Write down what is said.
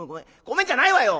「ごめんじゃないわよ！